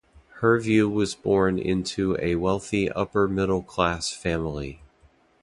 Hervieu was born into a wealthy upper-middle-class family.